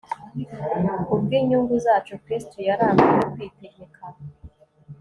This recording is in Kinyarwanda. Kubwinyungu zacu Kristo yaranzwe no kwitegeka